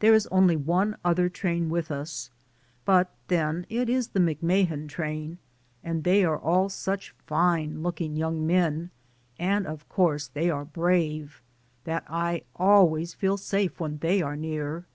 There is only one other train with us, but then it is the Mc Mahan train, and they are all such fine look ing young men — and of course they are brave —that I always feel safe when they are near.